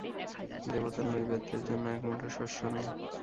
দেবতার নৈবেদ্যর জন্য এক মুঠো শস্য নে।